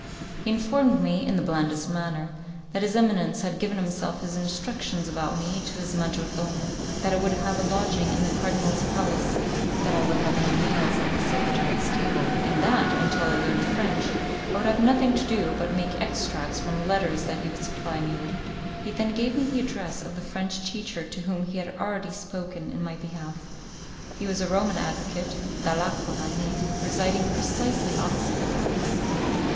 He informed me, in the blandest manner, that his eminence had himself given his instructions about me to his majordomo, that I would have a lodging in the cardinal's palace, that I would have my meals at the secretaries' table, and that, until I learned French, I would have nothing to do but make extracts from letters that he would supply me with. He then gave me the address of the French teacher to whom he had already spoken in my behalf. He was a Roman advocate, Dalacqua by name, residing precisely opposite the palace.